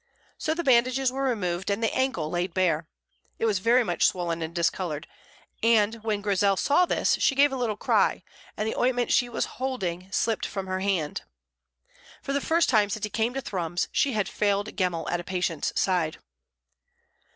So the bandages were removed and the ankle laid bare. It was very much swollen and discoloured, and when Grizel saw this she gave a little cry, and the ointment she was holding slipped from her hand. For the first time since he came to Thrums, she had failed Gemmell at a patient's side.